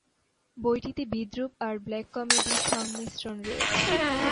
বইটিতে বিদ্রুপ আর "ব্ল্যাক কমেডি"’র সংমিশ্রণ রয়েছে।